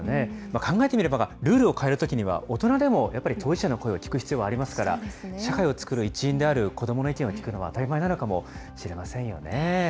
考えてみれば、ルールを変えるときには大人でもやっぱり当事者の声を聞く必要がありますから、社会を作る一員である子どもの意見を聞くのは当たり前なのかもしれませんよね。